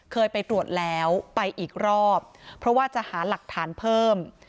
เคยไปตรวจแล้วไปอีกรอบเพราะว่าจะหาหลักฐานเพิ่ม